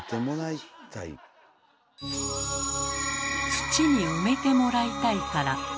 土に埋めてもらいたい。